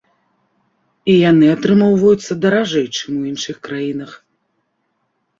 І яны атрымоўваюцца даражэй, чым у іншых краінах.